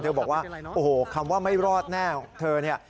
บอกว่าโอ้โหคำว่าไม่รอดแน่ของเธอเนี่ย